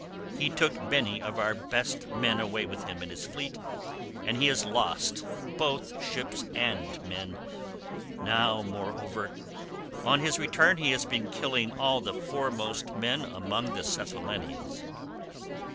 He took many of our best men away with him in his fleet, and he has lost both ships and men; now, moreover, on his return he has been killing all the foremost men among the Cephallenians.